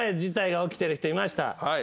はい。